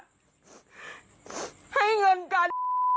ให้เงินกัน